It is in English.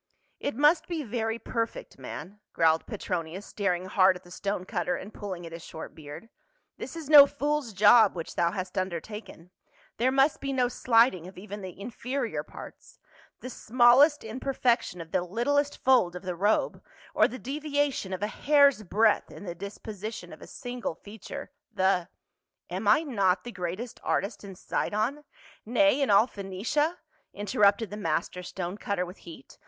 " It must be very perfect, man," growled Pctronius, staring hard at the stone cutter and pulling at his short beard. " This is no fool's job which thou hast undertaken ; there must be no slighting of even the inferior parts ; the smallest imperfection of the littlest fold of the robe, or the deviation of a hair's breadth in the disposition of a single feature ; the —" "Am I not the greatest artist in Sidon — na>', in all Phoenicia?" in'.errupted the master stone cutter with heat.